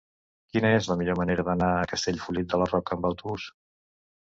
Quina és la millor manera d'anar a Castellfollit de la Roca amb autobús?